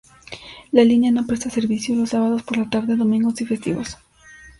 La línea no presta servicio los sábados por la tarde, domingos y festivos.